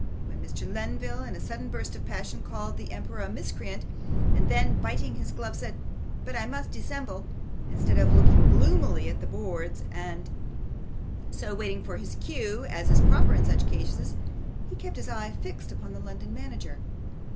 When Mr. Lenville in a sudden burst of passion called the emperor a miscreant, and then biting his glove, said, 'But I must dissemble,' instead of looking gloomily at the boards and so waiting for his cue, as is proper in such cases, he kept his eye fixed upon the London manager.